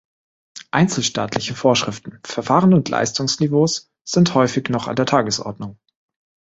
Einzelstaatliche Vorschriften, Verfahren und Leistungsniveaus sind häufig noch an der Tagesordnung.